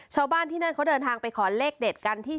ชาวบ้านที่นั่นเขาเดินทางไปขอเลขเด็ดกันที่